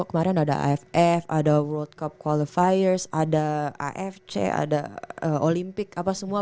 kemarin ada aff ada world cup qualifiers ada afc ada olimpik apa semua